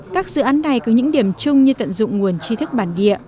các dự án này có những điểm chung như tận dụng nguồn chi thức bản địa